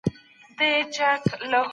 هغه د خپلو خلکو لپاره د امید نښه وګرځېده.